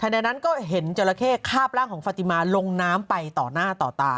ในนั้นก็เห็นจราเข้คาบร่างของฟาติมาลงน้ำไปต่อหน้าต่อตา